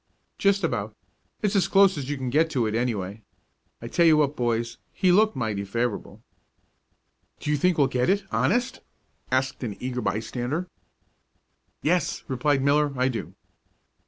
"Just about. It's as close as you can get to it, anyway. I tell you what, boys, he looked mighty favorable." "Do you think we'll get it, honest?" asked an eager bystander. "Yes," replied Miller, "I do."